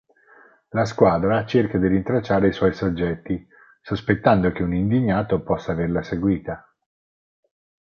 La squadra cerca di rintracciare i suoi soggetti, sospettando che un'indignato possa averla seguita.